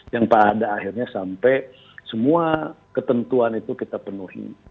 yang pada akhirnya sampai semua ketentuan itu kita penuhi